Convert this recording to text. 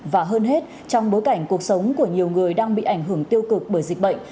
và hơn hết trong bối cảnh cuộc sống của nhiều người đang bị ảnh hưởng tiêu cực bởi dịch bệnh